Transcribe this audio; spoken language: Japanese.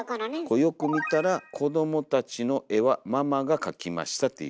これよく見たら「子どもたちのえはママがかきました」っていう。